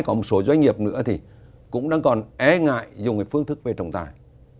có một số doanh nghiệp nữa thì cũng đang còn e ngại dùng phương thức về trọng tài